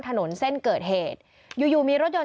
และเลือกนะศะมัตจังใหม่ไม่อยากไปซุดตอบ